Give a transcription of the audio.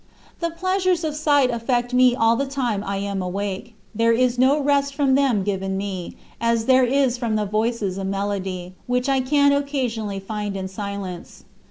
The pleasures of sight affect me all the time I am awake. There is no rest from them given me, as there is from the voices of melody, which I can occasionally find in silence.